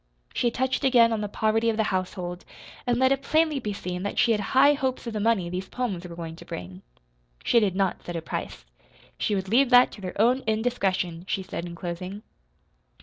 She touched again on the poverty of the household, and let it plainly be seen that she had high hopes of the money these poems were going to bring. She did not set a price. She would leave that to their own indiscretion, she said in closing.